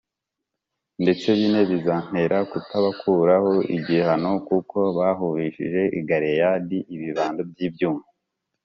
ndetse bine, bizantera kutabakuraho igihano kuko bahurishije i Galeyadi ibibando by’ibyuma.